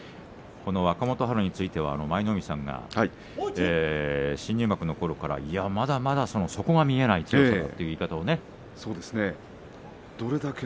若元春については、舞の海さんが新入幕のころからいやまだまだ底が見えないという言い方をしていました。